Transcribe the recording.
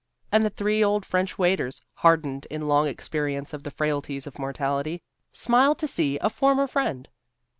And the three old French waiters, hardened in long experience of the frailties of mortality, smile to see a former friend.